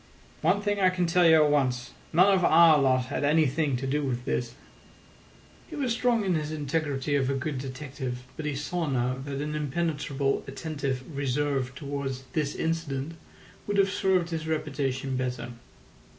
"One thing I can tell you at once: none of our lot had anything to do with this." He was strong in his integrity of a good detective, but he saw now that an impenetrably attentive reserve towards this incident would have served his reputation better.